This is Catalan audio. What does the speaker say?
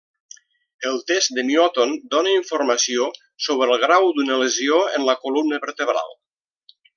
El test de miòtom dóna informació sobre el grau d’una lesió en la columna vertebral.